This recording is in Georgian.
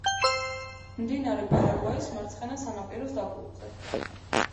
მდინარე პარაგვაის მარცხენა სანაპიროს დაბლობზე.